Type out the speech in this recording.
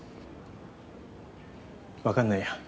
分かんないや。